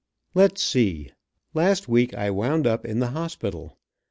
Let's see, last week I wound up in the hospital.